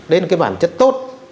đấy là cái bản chất tốt